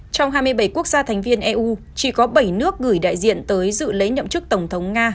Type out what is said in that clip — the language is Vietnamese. trong hai mươi bảy quốc gia thành viên eu chỉ có bảy nước gửi đại diện tới dự lấy nhậm chức tổng thống nga